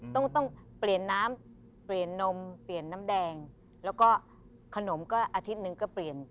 ต้องต้องเปลี่ยนน้ำเปลี่ยนนมเปลี่ยนน้ำแดงแล้วก็ขนมก็อาทิตย์หนึ่งก็เปลี่ยน